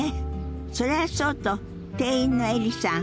それはそうと店員のエリさん